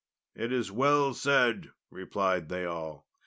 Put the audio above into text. "It is well said," replied they all.